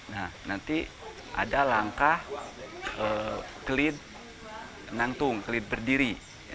nah nanti ada langkah kelit nantung kelit berdiri